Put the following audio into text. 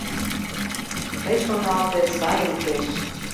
Тый шоналте сайын пеш